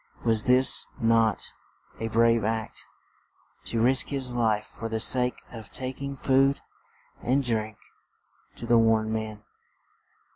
Was this not a brave act? To risk his life for the sake of tak ing food and drink to the worn men.